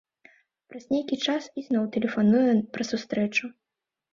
Праз нейкі час ізноў тэлефануе пра сустрэчу.